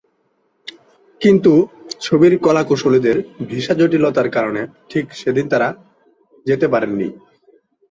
কিন্তু ছবির কলাকুশলীদের ভিসা জটিলতার কারণে ঠিক সেদিন তাঁরা যেতে পারেননি।